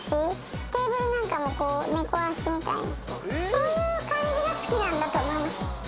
こういう感じが好きなんだと思います。